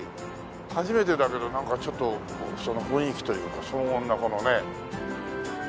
初めてだけどなんかちょっと雰囲気というか荘厳なこのね。